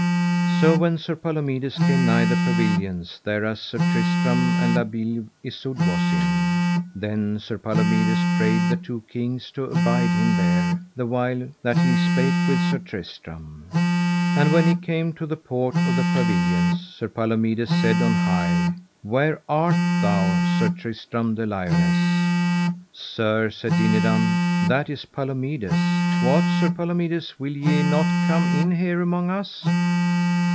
So when Sir Palomides came nigh the pavilions thereas Sir Tristram and La Beale Isoud was in, then Sir Palomides prayed the two kings to abide him there the while that he spake with Sir Tristram. And when he came to the port of the pavilions, Sir Palomides said on high: Where art thou, Sir Tristram de Liones? Sir, said Dinadan, that is Palomides. What, Sir Palomides, will ye not come in here among us?